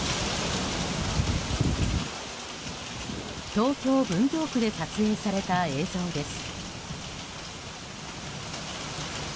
東京・文京区で撮影された映像です。